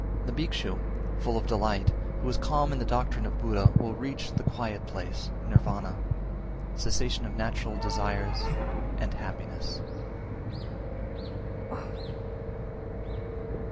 381. The Bhikshu, full of delight, who is calm in the doctrine of Buddha will reach the quiet place (Nirvana), cessation of natural desires, and happiness.